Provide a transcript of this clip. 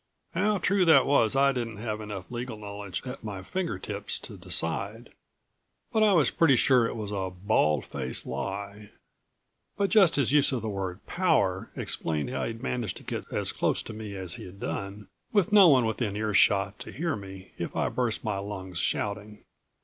How true that was I didn't have enough legal knowledge at my finger tips to decide. But I was pretty sure it was a bald faced lie. But just his use of the word "power" explained how he'd managed to get as close to me as he'd done, with no one within earshot to hear me if I burst my lungs shouting.